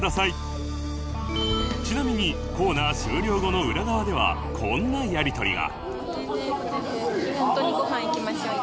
ちなみにコーナー終了後の裏側ではこんなやりとりが行きましょう。